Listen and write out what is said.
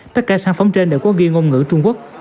tất cả sản phẩm trên đều có ghi ngôn ngữ trung quốc